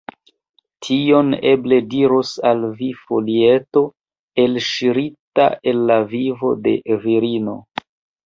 Tion eble diros al vi folieto, elŝirita el la vivo de virino.